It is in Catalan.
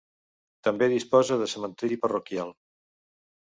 També disposa de cementeri parroquial.